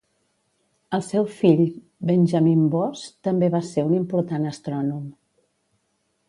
El seu fill Benjamin Boss també va ser un important astrònom.